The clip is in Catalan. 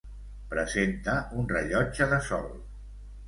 Presenta un rellotge de sol.